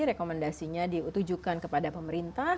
rekomendasinya ditujukan kepada pemerintah